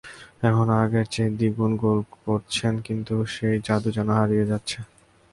এখন আগের চেয়ে দ্বিগুণ গোল করছেন, কিন্তু সেই জাদু যেন হারিয়ে যাচ্ছে।